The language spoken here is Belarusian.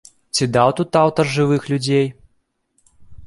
Ці даў тут аўтар жывых людзей?